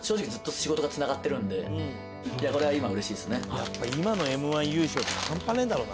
やっぱ今のＭ−１優勝って半端ねえんだろうな。